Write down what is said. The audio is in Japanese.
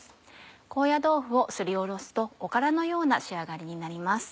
高野豆腐をすりおろすとおからのような仕上がりになります。